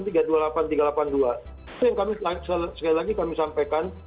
itu yang kami sekali lagi kami sampaikan